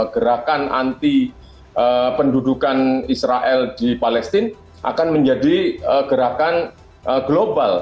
gerakan anti pendudukan israel di palestina akan menjadi gerakan global